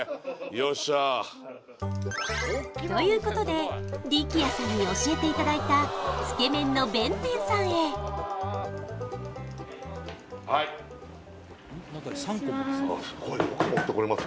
よっしゃということで力也さんに教えていただいたつけめんのべんてんさんへはい失礼します